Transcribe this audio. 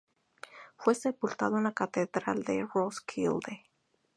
Fue sepultado en la Catedral de Roskilde.